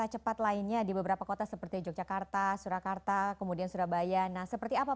cepat lainnya di beberapa kota seperti yogyakarta surakarta kemudian surabaya nah seperti apa